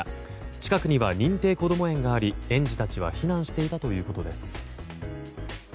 近くには認定こども園があり園児たちは避難していたということです。